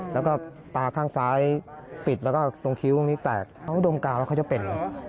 แล้วก็ตาข้างซ้ายปิดแล้วก็ตรงคิ้วตรงนี้แตกเขาก็ดมกาวแล้วเขาจะเป็น